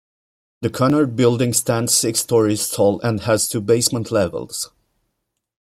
The Cunard Building stands six storeys tall and has two basement levels.